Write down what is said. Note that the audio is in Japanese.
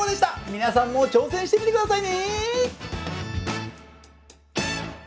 皆さんも挑戦してみて下さいね。